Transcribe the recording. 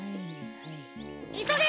いそげ！